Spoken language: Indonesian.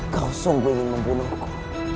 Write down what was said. kau sungguh ingin membunuhku